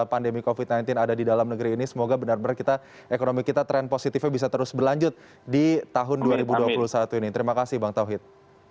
pandemi covid sembilan belas ada di dalam negeri ini semoga benar benar kita ekonomi kita tren positifnya bisa terus berlanjut di tahun dua ribu dua puluh satu ini terima kasih bang tauhid